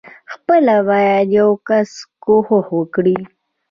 خپله بايد يو کس کوښښ وکي.